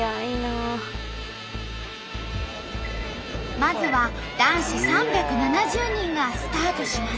まずは男子３７０人がスタートします。